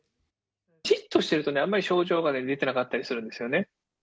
じっとしてると、あんまり症状が出てなかったりするんですよね。